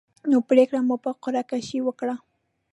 نو پرېکړه مو په قره کشۍ وکړه.